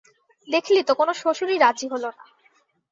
দেখলি তো কোনো শ্বশুরই রাজি হল না।